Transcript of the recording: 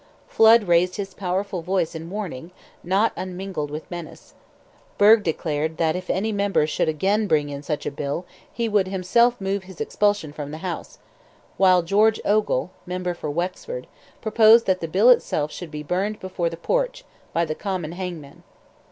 Flood raised his powerful voice in warning, not unmingled with menace; Burgh declared, that if any member should again bring in such a bill, he would himself move his expulsion from the House; while George Ogle, member for Wexford, proposed that the bill itself should be burned before the porch, by the common hangman.